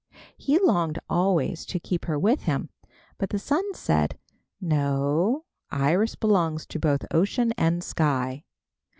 He longed always to keep her with him, but the Sun said: "No, Iris belongs to both ocean and sky.